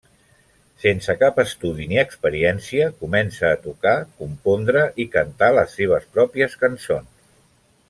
Sense cap estudi ni experiència, comença a tocar, compondre i cantar les seves pròpies cançons.